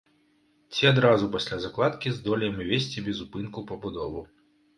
Ці адразу пасля закладкі здолеем весці безупынку пабудову.